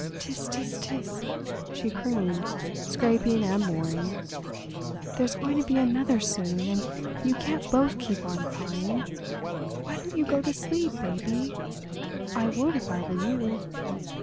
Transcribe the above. "Ts—ts—ts!" she crooned, scraping and boring; "there's going to be another soon, and you can't both keep on crying. Why don't you go to sleep, baby? I would, if I were you.